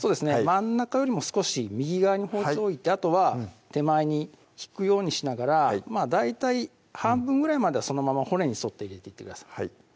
真ん中よりも少し右側に包丁置いてあとは手前に引くようにしながら大体半分ぐらいまではそのまま骨に沿って入れていってください